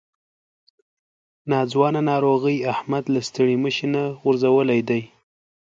ناځوانه ناروغۍ احمد له ستړي مشي نه غورځولی دی.